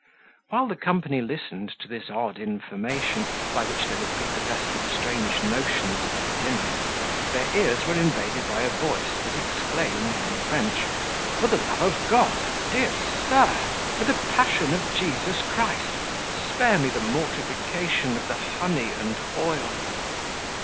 While the company listened to this odd information, by which they were prepossessed with strange notions of the dinner, their ears were invaded by a voice that exclaimed in French, "For the love of God! dear sir! for the passion of Jesus Christ! spare me the mortification of the honey and oil!"